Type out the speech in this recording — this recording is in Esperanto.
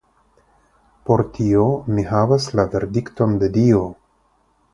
Por tio mi havas la verdikton de Dio.